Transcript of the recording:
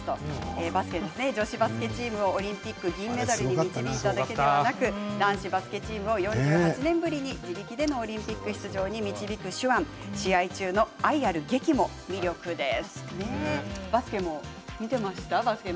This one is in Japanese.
バスケですね女子バスケをオリンピック金メダルに導いていただいただけでなく男子バスケ４８年ぶりで自力でのオリンピック出場に導く試合中の愛ある激務も魅力です。